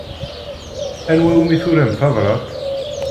Anwa umi turam tabṛat?